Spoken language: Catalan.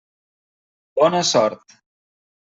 Bona sort!